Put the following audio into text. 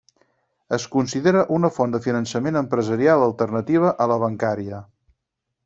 Es considera una font de finançament empresarial alternativa a la bancària.